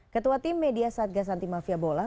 ketua tim media satgas anti mafia bola